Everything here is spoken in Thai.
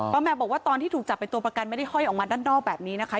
แมวบอกว่าตอนที่ถูกจับเป็นตัวประกันไม่ได้ห้อยออกมาด้านนอกแบบนี้นะคะ